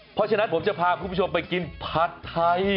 เพราะฉะนั้นผมจะพาคุณผู้ชมไปกินผัดไทย